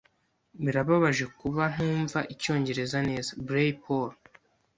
Birababaje kuba ntumva icyongereza neza. blay_paul